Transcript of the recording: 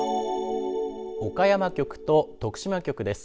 岡山局と徳島局です。